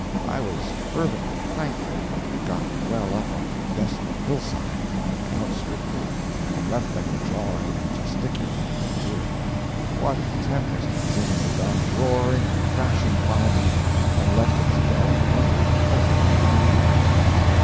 I was fervently thankful when we had gotten well up on the desolate hillside and outstripped them and left them jawing and gesticulating in the rear. What a tempest had seemingly gone roaring and crashing by me and left its dull thunders pulsing in my ears!